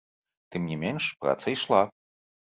Тым не менш, праца ішла.